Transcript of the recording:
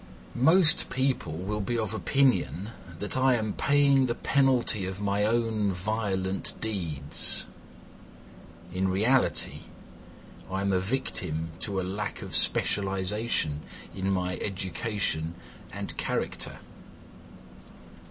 "Most people will be of opinion that I am paying the penalty of my own violent deeds. In reality I am a victim to a lack of specialisation in my education and character."